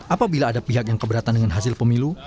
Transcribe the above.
apabila ada pihak yang keberatan dengan hasil pemilu